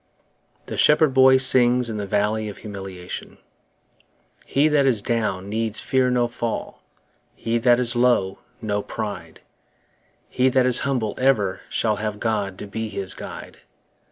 The Shepherd Boy sings in the Valley of Humiliation HE that is down needs fear no fall, He that is low, no pride; He that is humble ever shall Have God to be his guide.